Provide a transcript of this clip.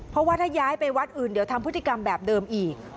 เพราะว่าถ้าย้ายไปวัดอื่นเดี๋ยวทำพฤติกรรมแบบเดิมอีก